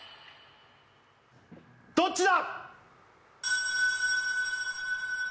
どっちだ